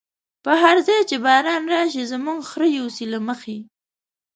په هر ځای چی باران راشی، زموږ خره يوسی له مخی